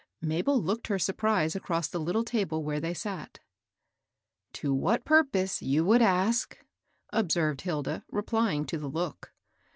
Mabel looked her surprise across the little table where they sat. " To what purpose ? you would ask," observed Hilda, replying to the look.